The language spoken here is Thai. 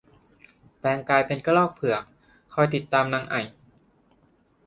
แปลงกายเป็นกระรอกเผือกคอยติดตามนางไอ่